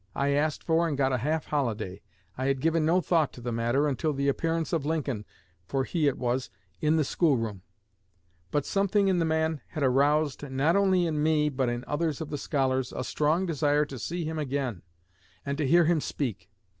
I asked for and got a half holiday. I had given no thought to the matter until the appearance of Lincoln (for he it was) in the school room. But, something in the man had aroused, not only in me but in others of the scholars, a strong desire to see him again and to hear him speak.